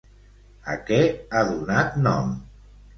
A què ha donat nom?